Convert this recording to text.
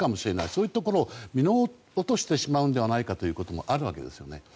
そういうところを見落としてしまうんじゃないかということもあるわけですよね。